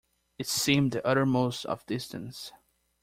It seemed the utter-most of distance.